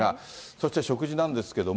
そして食事なんですけれども。